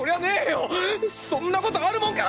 そんなことあるもんか！